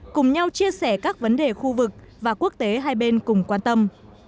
cùng nhau chia sẻ các vấn đề khu vực và quốc tế hai bên cùng quan tâm